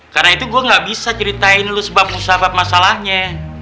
karena itu gua gak bisa ceritain lu sebab mustahabat masalahnya